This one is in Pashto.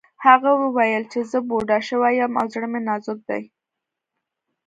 هغه وویل چې زه بوډا شوی یم او زړه مې نازک دی